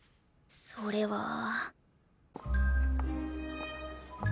それは。